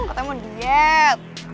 kau mau diet